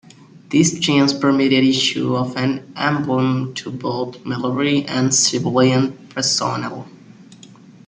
This change permitted issue of an emblem to both military and civilian personnel.